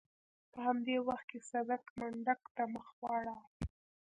په همدې وخت کې صدک منډک ته مخ واړاوه.